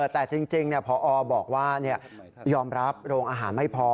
แต่จริงพอบอกว่ายอมรับโรงอาหารไม่พอ